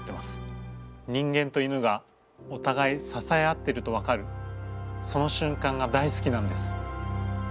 人間と犬がおたがいささえ合ってると分かるその瞬間が大好きなんです。